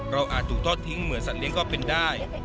อาจถูกทอดทิ้งเหมือนสัตว์เลี้ยงก็เป็นได้